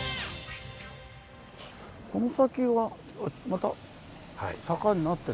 この先はまた坂になってる。